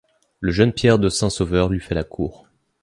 Le jeune Pierre de Saint-Sauveur lui fait la cour.